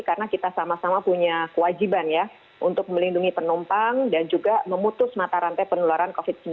karena kita sama sama punya kewajiban ya untuk melindungi penumpang dan juga memutus mata rantai penularan covid sembilan belas